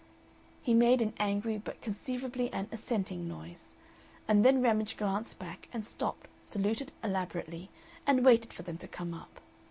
He made an angry but conceivably an assenting noise, and then Ramage glanced back and stopped, saluted elaborately, and waited for them to come up.